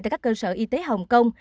tại các cơ sở y tế hồng kông